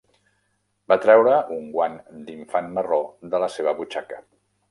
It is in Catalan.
Va treure un guant d'infant marró de la seva butxaca.